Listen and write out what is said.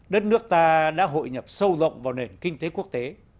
đất nước ta đã hội nhập sâu rộng vào nền kinh tế quốc tế